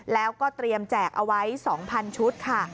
แล้วก็เตรียมแจกเอาไว้๒๐๐๐ชุดค่ะ